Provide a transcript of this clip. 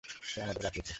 সে আমাদের বাঁচিয়েছে।